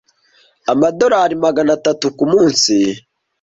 amadorari magana atatu ku munsi